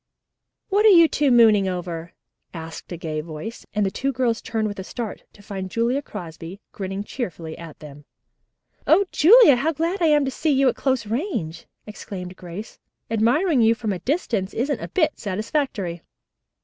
"What are you two mooning over?" asked a gay voice, and the two girls turned with a start to find Julia Crosby grinning cheerfully at them. "O Julia, how glad I am to see you at close range!" exclaimed Grace. "Admiring you from a distance isn't a bit satisfactory."